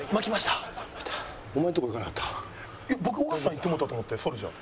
僕尾形さんに行ってもうたと思ってソルジャー。